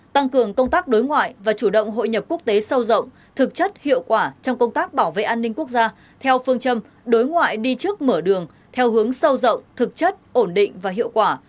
tăng cường công tác đối ngoại và chủ động hội nhập quốc tế sâu rộng thực chất hiệu quả trong công tác bảo vệ an ninh quốc gia theo phương châm đối ngoại đi trước mở đường theo hướng sâu rộng thực chất ổn định và hiệu quả